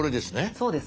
そうです。